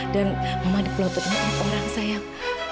dan mama dipelototin oleh orang sayang